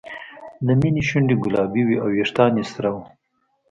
د مینې شونډې ګلابي وې او وېښتان یې سره وو